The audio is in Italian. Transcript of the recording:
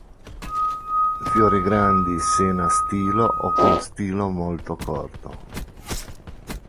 Fiori grandi sena stilo o con stilo molto corto.